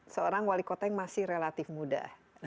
seorang wali kota yang masih relatif muda